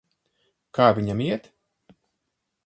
Kā viņam iet?